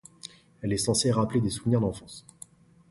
Elle est censée rappeler des souvenirs d'enfance.